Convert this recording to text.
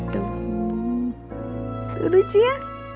tuh lucu ya